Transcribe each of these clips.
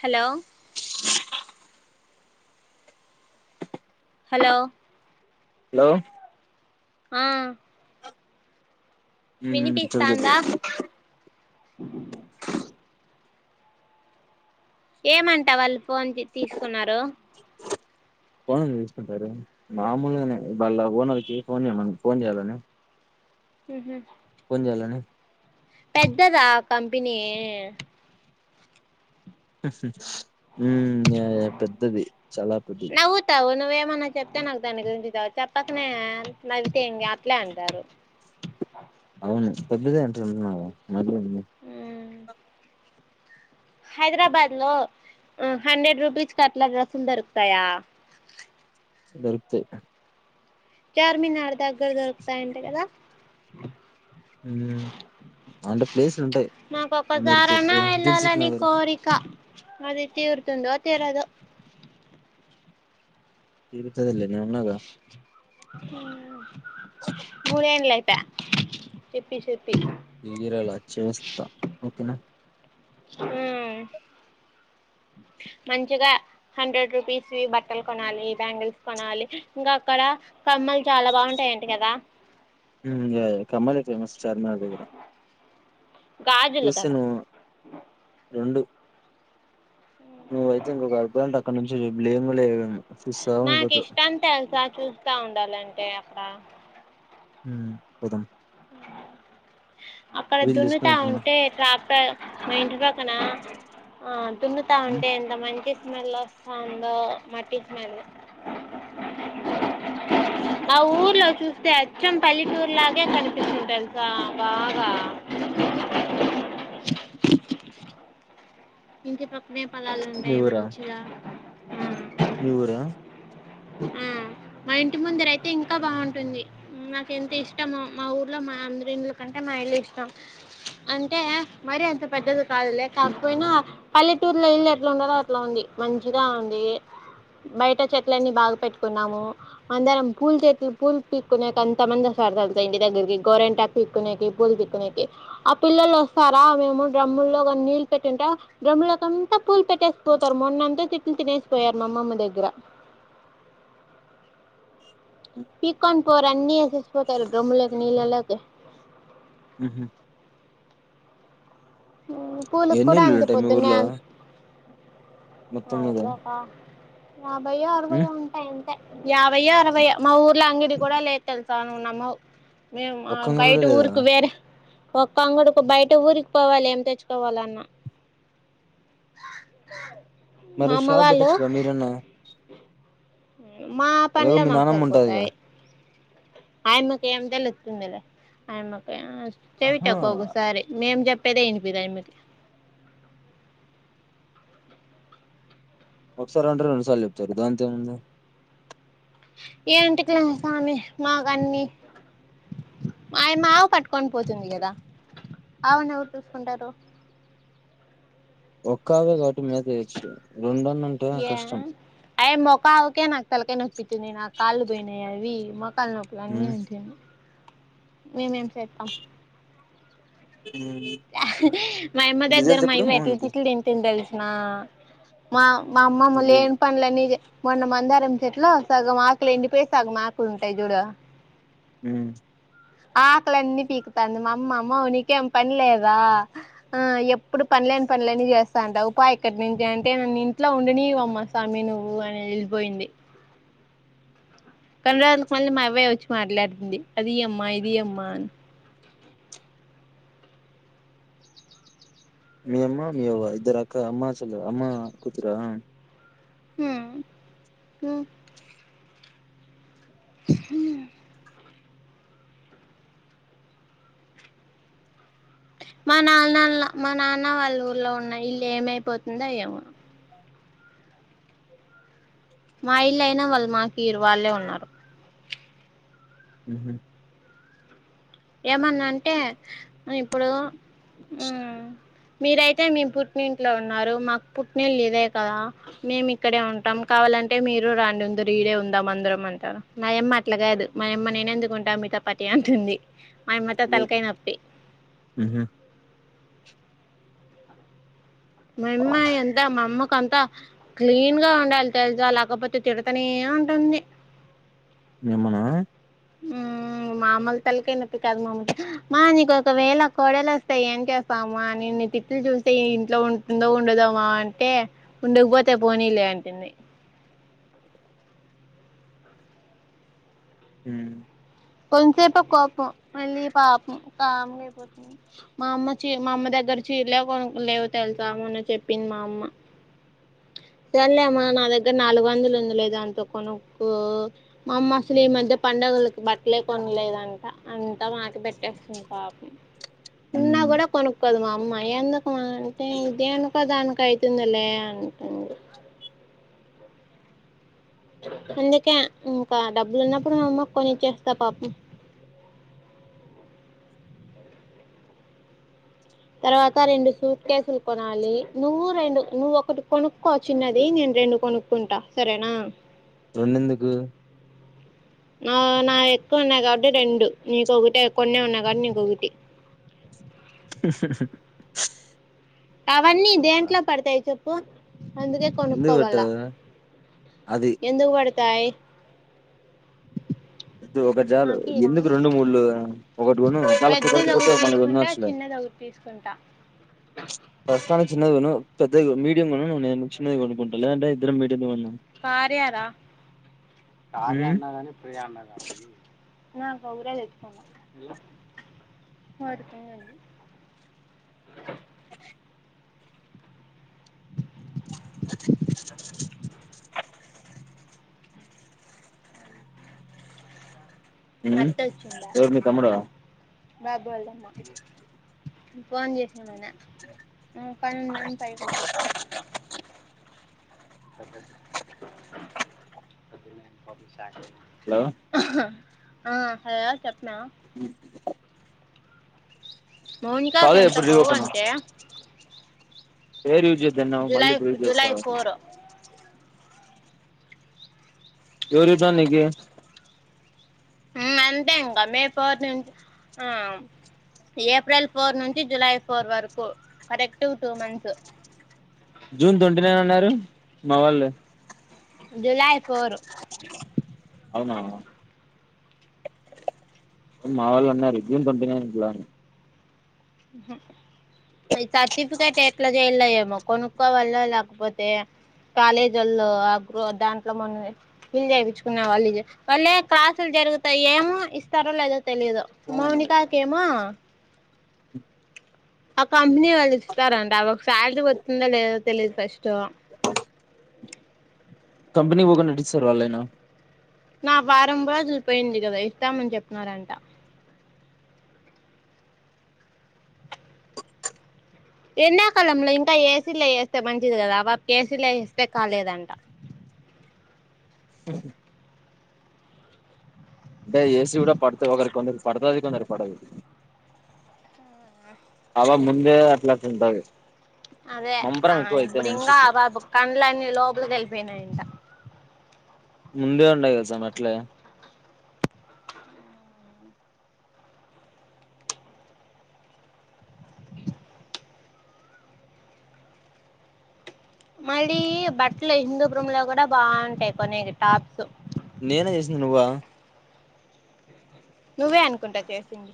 Hello hello hello ఆ ఉమ్ చెప్పు చెప్పు వినిపిస్తాందా ఏమంటా వాళ్ళు ఫోన్ తీసుకున్నారు ఫోన్ తీసుకుంటారు మామూలుగానే వాళ్ళ ఓనర్కి ఫోన్ చేయమ ఫోన్ చేయాలని ఉహు ఫోన్ చేయాలని పెద్దదా కంపెనీ ఉమ్ యా యా పెద్దది చాలా పెద్ద నవ్వుతావు నువ్వేమన్నా చెప్తే నాకు దాని గురించి చెప్పకనే నవ్వితే ఏం అట్లే అంటారు అవును పెద్దదే ఉంటా ఉమ్ హైదరాబాద్ లో హండ్రెడ్ రూపీస్ కట్లా డ్రస్సులు దొరుకుతాయా దొరుకుతయి చార్ మీనార్ దగ్గర దొరుకుతాయంట కదా ఉమ్ అంటే ప్లేసులు ఉంటాయి నాకు ఆ ఒక్కసారన్న మీరుపేట్టే దిల్ వెళ్ళాలని సుఖ్నగర్ కోరిక అది తీరుతుందో తీరదొ తీర్తది లేే నేను ఉన్నగా ఆ మూడేంలయి పాయె చెప్పి చెప్పి ఇగిరాల చేస్త ఓకేనా ఉమ్ మంచిగా హండ్రెడ్ రూపీస్ బట్టలు కొనాలి బ్యాంగిల్స్ కొనాలి ఇంకా అక్కడ కమ్మలు చాలా బాగుంటాయి అంట కదా ఉమ్ లేదు కమలీట్ల ఫేమస్ చార్ మీనార్ దగ్గర గాజులు కదా క్యూసను రెండు నువ్వైతే ఇంకొక గడుపాలంటే అక్కడ నుంచి లేము లేవేమ నాక్ ఇష్టం తెల్సా చూస్తా ఉండాలంటే అక్క హ్మ్ పోదం అక్కడ వీలు చూసుకొని దున్నుతా ఎప్పుడన్నా ఉంటే ట్రాక్టర్ మా ఇంటి పక్కన ఆ దున్నుతా ఉమ్ ఉంటే ఎంత మంచి స్మెల్ ఒ స్తాందో మట్టి స్మెల్ మా ఊర్లో చూస్తే అచ్చం పల్లెటూర్లాగే కాని స్తుంది తెల్సా బాగా ఇంటి పక్కనే పొలాలు మీ ఉంటాయి ఊరా మంచిగా మీ ఊరా ఉమ్ మా ఇంటి ముందర అయితే ఇంకా బాగుంటుంది ఉం నాక్ ఎంత ఇష్టమో మా ఊర్లో మా అందరి ఇల్కంటే మా ఇల్లు ఇష్టం అంటే మరి అంత పెద్దది కాదులే కాక్పోయినా పల్లెటూర్లో ఇల్ ఎట్లా ఉండాలో అట్లా ఉంది మంచిగా ఉంది బైట చెట్ ఇలన్నీ బాగ్ పెట్కున్నాము అందరం పూల్ తెంపి పూల్ పీక్కోనే టైం కి ఎంత మంది ఒస్తార్ ఇంటి దెగర్కి గోరెంటకు దిక్కునకి పూల్ దిక్కునేకి ఆ పిల్లలు ఓస్తారా మేము డ్రమ్ముళ్లు కొన్ నీళ్ళు పెట్టుంటే గోమ్మాలక్క అంతా పూల్ పెట్టేసి పోతారు మొన్నంతా తిట్లు తినేసిపోయారు మా అమ్మమ్మ దెగ్గర అ పికోన్ పొర్ అన్ని ఎసేసిపోతారు డ్రాంలక్కి నీళ్ళలకి ఉహు పూలక్ ఎన్ని కూడా ఇల్లులు అంతే ఉంటాయి మీ పోద్దునే ఊర్లో అంత్ మొత్తం మీద అవ్లేకా ఉ యాభైయో మా ఊర్ ట్ల అంగడి కూడా లేద్ తెల్సా నువ్ నమ్మవ్ మేమ్ ఒక్కంగా కూడా బైట లేదా ఊర్కు వేరే ఒక్క అంగడుకు బైట ఊరిక్ పోవాల్ ఏం తెచ్చుకోవాలన్నా మా మరి అమ్మ షాప్ వాళ్ళు పెట్టొచ్చు గా మీరన్నా మా ఎలాగో పాన్లే మీ మాక్ నానమ్మ ఉంటదిగా సరిపోతాయి ఆయమ్మకు ఏం తెలుతుంద్ లే ఆయమ్మ కే చెవిటా ఆహా ఒకొక్కసారి మేం చెప్పేదే విన్పియాద్ ఆమెకి ఒక్సారి అంటే రెండు సార్లు చెప్తారు దాంత ఏముంది ఏంటిక్లా స్వామి మాక్ అన్ని ఆయ మావ్ పట్కోన్ పోతుంది కదా ఆవేను ఎవర్ చూస్కుంటారు ఒక్కవే కాబట్టి మీద తెయొచ్చు రెండున్న యా అయి మొకా అవుకే నాక్ తల్కాయ్ నొప్పితింద్ నాక్ కాలు పోయినాయి అవి మోకాల్ నొప్ ఉ ఇవన్నీ ఉంటాయా మేమేం సేతం ఉమ్ మైయమ్మ దగ్గర మామై అట్లా మోహన్ కి తిట్లు తింటిన్ తెల్న మా మా తెలీదు అమ్మమ్మళ్ళేం పనులన్ని చే మొన్న మందారం చెట్లు సగం ఆకులు ఎండిపోయి సగం ఆకులు ఉంటాయి చూడు ఉ ఆ ఆకలన్నీ పీక్తాంది మా అమ్మ మామ్ మమ్మో నీకేం పన్ లేదా ఆ ఎప్పుడు పన్లేని పంలాన్ని చేస్తా అంటా ఉపా ఇక్కడ్ నుంచి అంటే నన్ను ఇంట్లో ఉండనీయు అమ్మ సామీ నువ్వు అని ఏళ్పోయింది కన్రాజ్క్ మళ్ళీ మా అవ్వే ఓచ్చి మాట్లాడ్తుంది అది ఈ అమ్మా ఇది ఈ అమ్మా అని మీ అమ్మ మీ అవ్వ ఇద్దరు అక్క అమ్మ చల్ల అమ్మ కుతురా హ్మ్ హ్ హియా మా నాన్న ల మా నాన్న వాళ్ ఊర్లో ఉన్నా ఇల్లు ఏమైపోతుందో ఏవో మా ఇల్ అయినా వాల్ మా తీర్ వాళ్ళే ఉన్నారు. ఉహుహ్ ఏమన్నంటే ఇప్పుడు ఉహ్ మీరైతే మీ పుట్నింట్లో ఉన్నారు మాకు పుట్నీల్ ఇదే కదా మేం ఇక్కడే ఉంటాం. కావాలంటే మీరు రాండి ఉందరు ఈడే ఉందాం అందరం అంటారా. మా యమ్మ అట్ల కాదు మా యమ్మ నేనెందుకుంట మీతో పాటి అంటుంది మా యమ్మతో తలకైనొప్పి ఉహుహ్ మా యమ్మా ఎంతా మా అమ్మక్ కంతా క్లీన్ గా ఉండాలి తెల్సా లేకపోతే తిడతనే ఉంటుంది. మీ అమ్మ నా ఉహ్ మా అమ్మ కి తలకైనొప్పి కాదు మా అమ్మ కి హా మా నీకొకవేళ కోడలొస్తే ఏం చేస్తావ్మా నిన్ను తిట్లుతుంటే ఈ ఇంట్లో ఉం ఉందో ఉండదోమా అంటే ఉండకపోతే పోనీ లే అంటుంది. ఉహ్ కొంసేపే కోపం మళ్ళీ పాపం కాంగైపోతుంది. మా అమ్మ చీ మా అమ్మ దగ్గర చీరలే కొ లేవు తెల్సా మొన్న చెప్పింది మా అమ్మ సర్లేమ్మ నా దగ్గర నాలుగు వందలు ఉందిలే దాంతో కొనుక్కో మా అమ్మ అసలీ మధ్య పండగలకి బ లేకుంట్లేదంటా అంతా మాకి పెట్టేస్తుంది పాపం ఉ ఉన్నాకూడా కొనుక్కోదు మా అమ్మా ఎందుకు మా అంటే ఇదేన్కో దానికైతుందిలే అంటుంది. అందుకే ఇంకా డబ్బులున్నప్పుడు మా అమ్మక్కొనిచ్చేస్తా పాపం. తర్వాత రెండు సూట్ కేసులు కొనాలి. నువ్వు రెండు నువ్వొకటి కొనుక్కో చిన్నది, నేను రెండు కొనుక్ కుంటా సరేనా. రెండెందుకు నా నాదెక్కువున్నై కాబట్టి రెండు నీకొకటే కొన్నే ఉన్నై కాబట్టి నీకొకటి ఉహుహ్ అవన్నీ దేంట్లో పడతాయ్ చెప్పు అందుగే ఎందుకు కొనుక్కోవాలా పెట్టావు అది ఎందుకువడతై ఒద్దు ఒక్కట్ జాలు నాకిరా ఎందుకు రెండు మూళ్లు ఒకటి కొను చమల్ కుదరక్పోతే మల్లీ కొనాల్చుడే. రావ్ పీస్ కుంటా ప్రస్తుతాన్కి చిన్నది కొనూ, పెద్దగా మీడియం కొనూ, నేను చిన్నది కొనుకుంటా, లేదంటే ఇద్దరుం మీడియమే కొందాం. కార్య ఉమ్ అన్న గానీ, ప్రియ అన్న గానీ. నాకోగరే తెచ్చుకున్న పడుతుందండి. ఉహ్ ఎవరు మీ తమ్ముడా. రాగ్వెల్దామా ఫోన్ జేసున్నాన ఆ పనుందని పైకొచ్చేసి పొద్దు పొద్దున్నే వెళ్ళిపోతే సాయంత్రం హలో అహ్ అ హలో చెప్మే ఊర్కి మౌనికాకి కాలేజ్ ఎంత ఎప్పుడు కొవ్వు రీఓపెను అంటే పేర్ యూస్ చేయొద్దన్నావ్ జూలై మల్లిప్పుడు యూస్ జెస్తా జూలై ఉన్నావ్ ఫోర్ ఎవర్ చెప్పినార్ నీకు హ్మ్ అంతే ఇంకా మే ఫోర్ నుంచి ఆ ఏప్రెల్ ఫోర్ నుంచి July four work correct two months June twenty nine అన్నారు మా వాళ్ళు జులై ఫోరు ఔనా మా వాళ్ళన్నారు జూన్ ట్వంటి నైన్తైలో అని హ్మ్ హు ఈ తైర్టీ టు తైర్టీ ఎట్లా జేయాలొయేమో కొనుక్కోవాళ లేకపోతే కాలేజీల్లో ఆహ్ గ్రూ దాంట్లో మనం ఫిల్ చేయించుకున్నా వాళ్ళు వళ్లే క్లాసులు జరుగుతాయి ఏమో ఇస్తారో లేదో తెలిదు మౌనికాకెమో ఆ కంపెనీ వాళ్ళు ఇస్తారంట అవ్ ఓక్ సాలరీ వచ్చిందా లేదో తెలిదు ఫస్ట్ కంపెనీ [unintelligible] నడిస్తే రాలేనా నా వారం రోజులు పోయింది గదా ఇస్తామని చెప్పినారంట ఎండాకాలంలో ఇంకా ఏసీలే ఏస్తే మంచిది గదా ఆ పాపక్ ఏసీలే ఏస్తే కాలేదంట ఉమ్హ్ అబ్భా ఏసీ గూడా పడ్తది ఒకరి కొందరికి పడుతాది కొందరు పడదు ఆ పాప ముందే అట్ల అట్ల ఉంటది అదే మంపరం ఆహ్ ఎక్కువ అయితది ఇప్పుడు ఇంగా మనిషికి ఆ పాపాక్ కండ్లన్నీ లోపల్కి వెళ్ళియినాయంట ముందే ఉండది సామీ అట్లే మళ్ళీ బట్ల హిందూపురము లో గూడా బాగుంటాయి కొన్ని టాప్స్ నేనా జేసింద నువ్వా నువ్వే అనుకుంటా చేసింది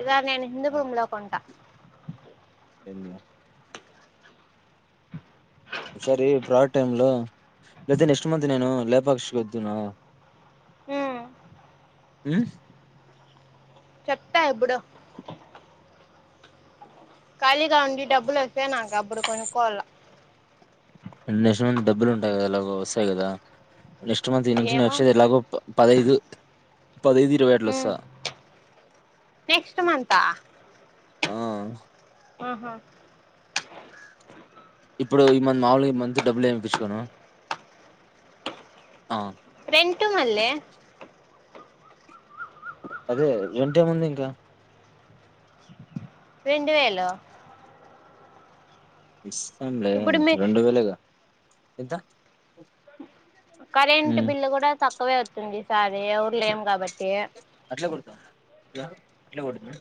ఈరోజు నేను హిందు భూమి లో కొంటా ఏంది మే ఈ సారి ప్రాట్ టైమ్ లో లేతే నెక్స్ట్ మంత్ నేను లేపాక్షికి వద్దునా ఉమ్ ఉమ్ చెప్తా ఎబ్బుడో ఖాళీగా ఉండి డబ్బులు వస్తే నాకు అబ్బుడు కొనుక్కోవాల నెస్ట్ మంత్ డబ్బులు ఉంటాయి గదా ఎలాగో వస్తాయి గదా నెక్స్ట్ మంత్ ఈ నుంచి నేన్ ఏమో వచ్చేది ఎలాగో పదహైదు పదహైదు ఇరవై అట్ల ఉమ్ వస్తా నెక్స్ట్ మంతా ఆహ్ ఆహా ఇప్పుడు ఈ మంత్ మాములుగా ఈ మంత్ డబ్బులు ఏం ఇపించుకోను రెంటు మళ్ళే అదే రెంట్ ఏముంది ఇంకా రెండు వేలు ఇస్తం లే ఇప్పుడు మీ రెండు వేలుగా ఎంత కరెంట్ ఉమ్ బిల్లు గూడా తక్కువే వచ్చింది ఈ సారి ఎవరు లేం గాబట్టి అట్లే కొడుతా అట్లే గొడుదునా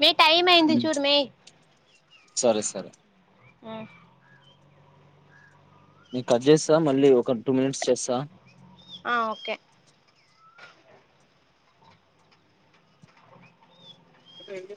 మేయ్ టైం అయింది హ్మ్. చూడు మే సరే సరే ఉమ్ నీక్ కట్ జేస్తా మళ్ళీ ఒక టూ మినిట్స్ చేస్తా ఆహ్ ఓకే వెళ్ళు